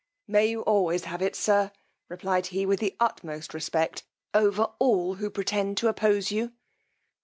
May you always have it, sir, replied he with the utmost respect, over all who pretend to oppose you.